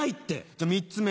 じゃ３つ目。